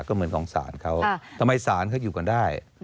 ก็เหมือนของศาลเขาทำไมศาลเขาอยู่กันได้